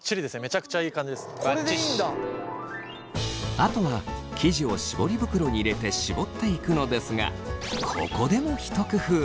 あとは生地を絞り袋に入れて絞っていくのですがここでもひと工夫。